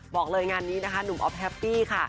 บอกเลยงานนี้นะคะหนุ่มอ๊อฟแฮปปี้ค่ะ